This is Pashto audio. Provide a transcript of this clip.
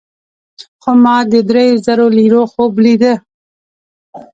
ما خو د دریو زرو لیرو خوب لیده.